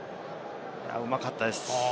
うまかったです。